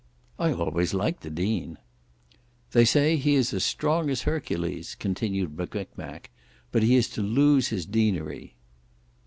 "I always liked the Dean." "They say he is as strong as Hercules," continued M'Mickmack. "But he is to lose his deanery."